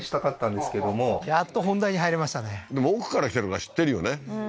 でも奥から来てるから知ってるよね